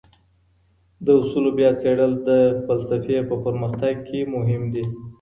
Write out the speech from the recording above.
د اصولو بیا څېړل د فلسفې په پرمختګ کي مهم دي.